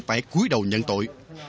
phải cuối đầu nhận tội